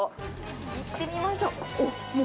行ってみましょう。